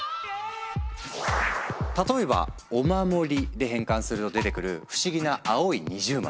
例えば「おまもり」で変換すると出てくる不思議な青い二重丸。